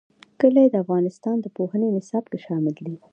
کلي د افغانستان د پوهنې نصاب کې شامل دي.